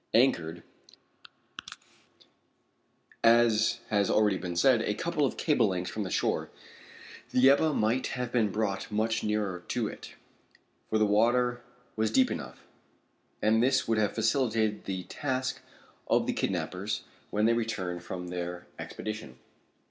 Anchored, as has already been said, a couple of cable lengths from the shore, the Ebba might have been brought much nearer to it, for the water was deep enough, and this would have facilitated the task of the kidnappers when they returned from their expedition.